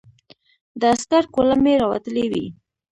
د عسکر کولمې را وتلې وې.